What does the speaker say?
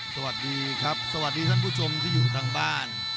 สวัสดีครับสวัสดีท่านผู้ชมที่อยู่ทางบ้าน